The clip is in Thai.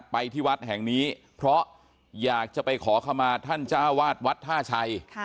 ไปที่วัดแห่งนี้เพราะอยากจะไปขอขมาท่านเจ้าวาดวัดท่าชัย